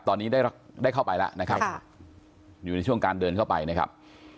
ตอนนี้ได้เข้าไปแล้วนะครับอยู่ในช่วงการเดินเข้าไปนะครับ